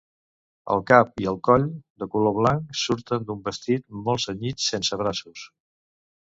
El cap i el coll, de color blanc, surten d'un vestit molt cenyit, sense braços.